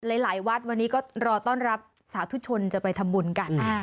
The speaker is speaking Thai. หลายวัดวันนี้ก็รอต้อนรับสาธุชนจะไปทำบุญกัน